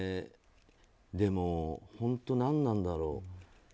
でも、本当なんなんだろう。